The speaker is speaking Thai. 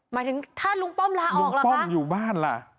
หมายถึงถ้าลุงป้อมลาออกป้อมอยู่บ้านล่ะ